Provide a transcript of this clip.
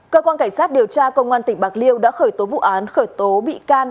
cơ quan cảnh sát điều tra công an tỉnh bạc liêu đã khởi tố vụ án khởi tố bị can